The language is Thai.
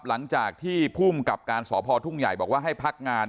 หลังจากที่ภูมิกับการสพทุ่งใหญ่บอกว่าให้พักงาน